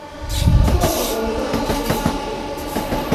Tomo koliban kampunit melekto